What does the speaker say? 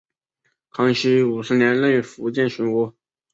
康熙五十年任福建巡抚。